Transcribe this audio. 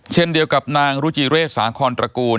เช่นเดียวกับนางรุจิเรศสาคอนตระกูล